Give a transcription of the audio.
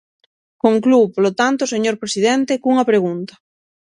Conclúo, polo tanto, señor presidente, cunha pregunta.